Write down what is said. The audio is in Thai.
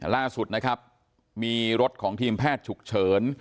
ล่าสุดนะครับมีรถของทีมแพทย์ฉุกเฉิน